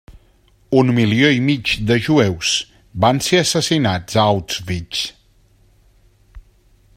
Un milió i mig de jueus van ser assassinats a Auschwitz.